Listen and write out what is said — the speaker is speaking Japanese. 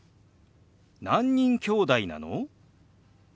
「何人きょうだいなの？」。